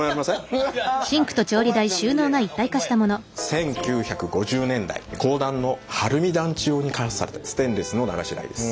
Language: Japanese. １９５０年代公団の晴海団地用に開発されたステンレスの流し台です。